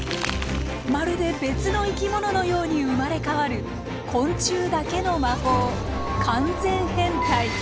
まるで別の生き物のように生まれ変わる昆虫だけの魔法完全変態。